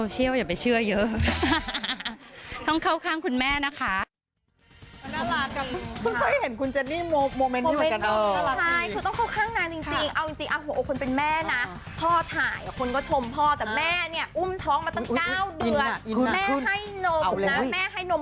ช่วยกันเลี้ยงแหละเป็นธรรมดา